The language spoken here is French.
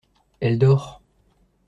Elle dort.